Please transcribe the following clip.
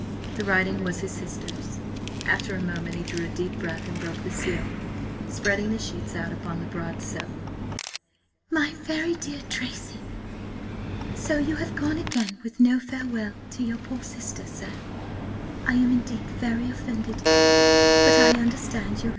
The writing was his sister's. After a moment he drew a deep breath and broke the seal, spreading the sheets out upon the broad sill. "My very dear Tracy, "So you have gone again with no Farewell to yr. poor Sister, sir! I am indeed very offended, but I understand yr.